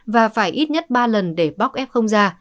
và phải ít nhất ba lần để bóc ép không ra